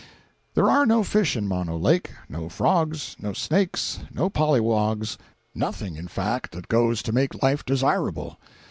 ] There are no fish in Mono Lake—no frogs, no snakes, no polliwigs—nothing, in fact, that goes to make life desirable.